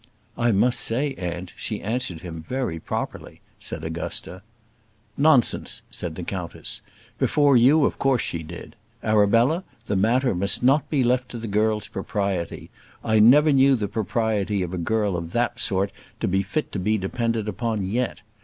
"I must say, aunt, she answered him very properly," said Augusta. "Nonsense," said the countess; "before you, of course she did. Arabella, the matter must not be left to the girl's propriety. I never knew the propriety of a girl of that sort to be fit to be depended upon yet.